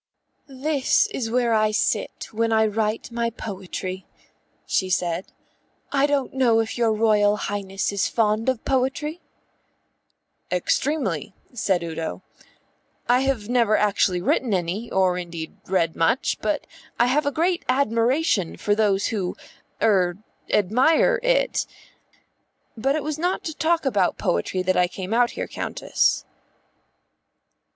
"This is where I sit when I write my poetry," she said. "I don't know if your Royal Highness is fond of poetry?" "Extremely," said Udo. "I have never actually written any or indeed read much, but I have a great admiration for those who er admire it. But it was not to talk about poetry that I came out here, Countess."